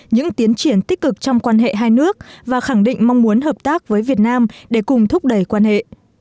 những tiến triển tích cực trong quan hệ hai nước và khẳng định mong muốn hợp tác với việt nam để cùng thúc đẩy quan hệ